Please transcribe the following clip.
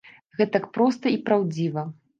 Гэтак проста і праўдзіва!